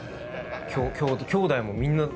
きょうだいもみんななくて。